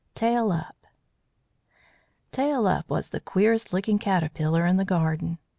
TAIL UP Tail up was the queerest looking caterpillar in the garden.